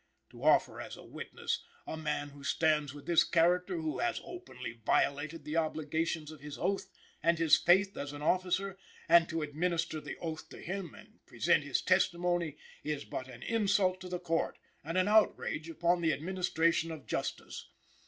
To offer as a witness a man who stands with this character, who has openly violated the obligations of his oath, and his faith as an officer, and to administer the oath to him and present his testimony, is but an insult to the Court and an outrage upon the administration of justice.